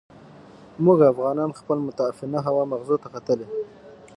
موږ افغانان خپل متعفنه هوا مغزو ته ختلې.